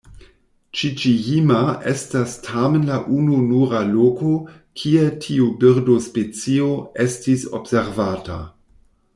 Ĉiĉi-jima estas tamen la ununura loko kie tiu birdospecio estis observata.